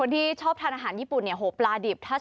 สีสวยสีส้ม